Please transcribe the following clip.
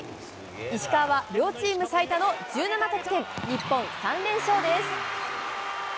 石川は両チーム最多の１７得点、日本３連勝です。